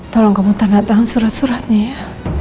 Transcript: tolong kamu tanda tangan surat suratnya ya